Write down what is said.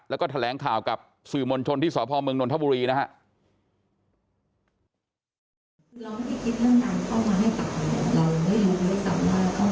แล้วก็แถลงข่าวกับสื่อมวลชนที่สพเมืองนนทบุรีนะครับ